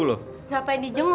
saya cuma bisa bawa ini buat ibu